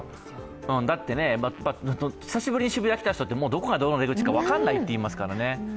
だって、久しぶりに渋谷に来た人はどこがどの出口か分からないといいますからね。